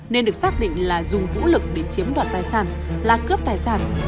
nên được xác định là dùng vũ lực để chiếm đoạt tài sản là cướp tài sản